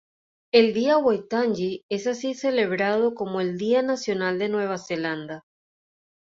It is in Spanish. El Día Waitangi es así celebrado como el día nacional de Nueva Zelanda.